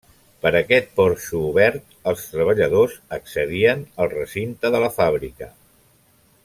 Per aquest porxo obert els treballadors accedien al recinte de la fàbrica.